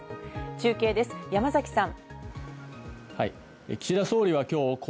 中継です、山崎さん。